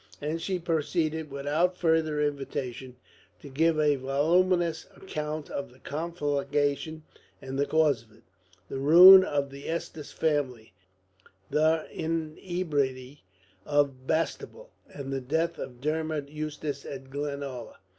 And she proceeded, without further invitation, to give a voluminous account of the conflagration and the cause of it, the ruin of the Eustace family, the inebriety of Bastable, and the death of Dermod Eustace at Glenalla.